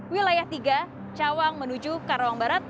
wilayah tiga cawang menuju karawang barat